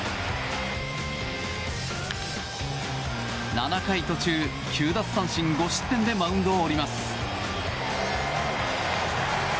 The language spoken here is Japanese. ７回途中９奪三振５失点でマウンドを降ります。